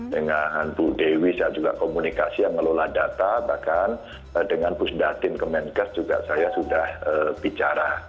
dengan bu dewi saya juga komunikasi dengan melolat data bahkan dengan bu sudatin kemenkes juga saya sudah bicara